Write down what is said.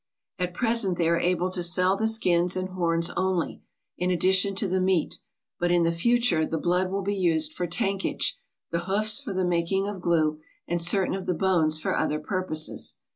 At present they are able to sell the skins and horns only, in addition to the meat, but in the future the blood will be used for tankage, the hoofs for the making of glue, and certain of the bones for other purposes.